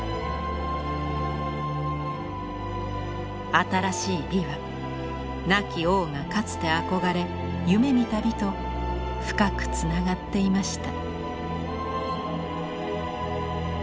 新しい美は亡き王がかつて憧れ夢見た美と深くつながっていました。